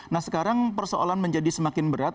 nah sekarang persoalan menjadi semakin berat